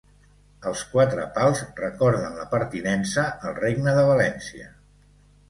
Els quatre pals recorden la pertinença al Regne de València.